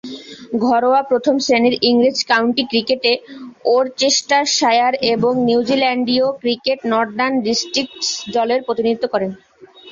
ঘরোয়া প্রথম-শ্রেণীর ইংরেজ কাউন্টি ক্রিকেটে ওরচেস্টারশায়ার এবং নিউজিল্যান্ডীয় ক্রিকেটে নর্দার্ন ডিস্ট্রিক্টস দলের প্রতিনিধিত্ব করেন।